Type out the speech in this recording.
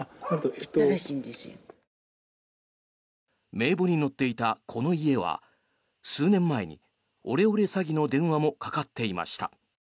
名簿に載っていたこの家は数年前にオレオレ詐欺の電話もかかっていました。